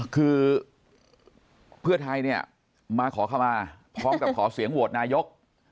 คือเพื่อไทยเนี่ยมาขอเข้ามาพร้อมกับขอเสียงโหวตนายก